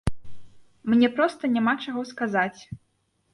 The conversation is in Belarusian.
Мне проста няма чаго сказаць.